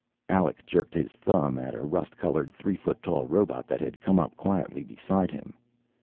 Alec jerked his thumb at a rust colored, three foot tall robot that had come up quietly beside him.